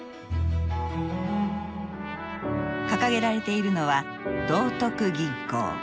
掲げられているのは「道徳銀行」。